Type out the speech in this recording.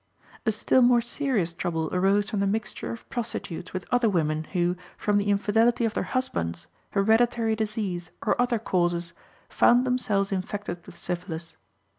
A still more serious trouble arose from the mixture of prostitutes with other women who, from the infidelity of their husbands, hereditary disease, or other causes, found themselves infected with syphilis.